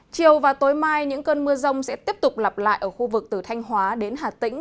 chiều và tối mai những cơn mưa rông sẽ tiếp tục lặp lại ở khu vực từ thanh hóa đến hà tĩnh